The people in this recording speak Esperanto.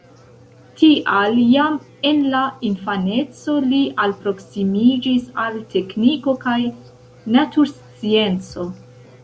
Tial jam en la infaneco li alproksimiĝis al tekniko kaj naturscienco.